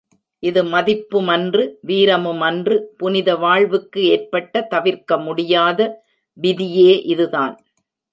இது மதிப்புமன்று வீரமுமன்று மனித வாழ்வுக்கு ஏற்பட்ட தவிர்க்க முடியாத விதியே இதுதான்.